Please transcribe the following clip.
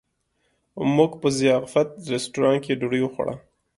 موږ په ضیافت رسټورانټ کې ډوډۍ وخوړله.